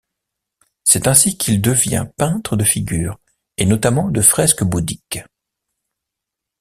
C'est ainsi qu'il devient peintre de figures et notamment de fresques bouddhiques.